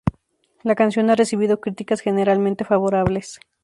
La canción ha recibido críticas generalmente favorables.